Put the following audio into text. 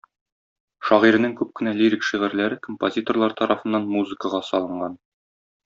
Шагыйрьнең күп кенә лирик шигырьләре композиторлар тарафыннан музыкага салынган.